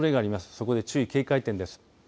そこで注意、警戒点です。